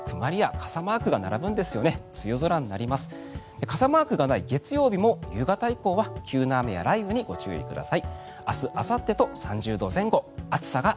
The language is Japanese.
傘マークがない月曜日も夕方以降は急な雨や雷雨にご注意ください。